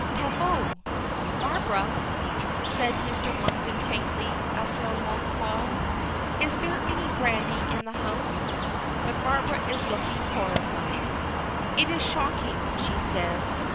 Tableau! "Barbara!" says Mr. Monkton faintly, after a long pause. "Is there any brandy in the house?" But Barbara is looking horrified. "It is shocking," she says.